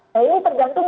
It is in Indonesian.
nah ini tergantung